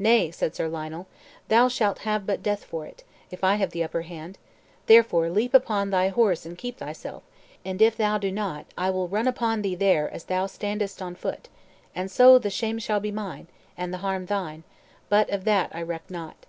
"Nay," said Sir Lionel, "thou shalt have but death for it, if I have the upper hand; therefore leap upon thy horse and keep thyself, and if thou do not I will run upon thee there as thou standest on foot, and so the shame shall be mine, and the harm thine, but of that I reck not."